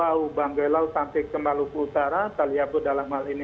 bau bau yang melintas sampai ke malu malu utara tali abu dalam hal ini